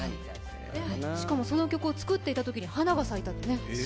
しかも、その曲を作っていたときに、花が咲いたというね。